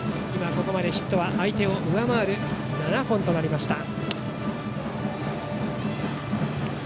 ここまでヒットは相手を上回る７本となりました。